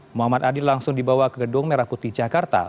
muhammad adil langsung dibawa ke gedung merah putih jakarta